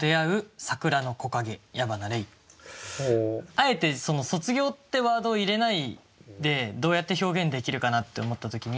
あえて「卒業」ってワードを入れないでどうやって表現できるかなって思った時に。